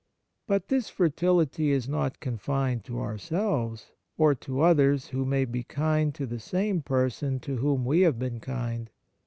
But this fertihty is not confined to ourselves, or to others who may be kind to the same person to whom we have been kind.